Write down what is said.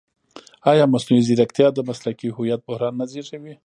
ایا مصنوعي ځیرکتیا د مسلکي هویت بحران نه زېږوي؟